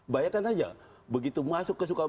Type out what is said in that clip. bayangkan saja begitu masuk ke sukabumi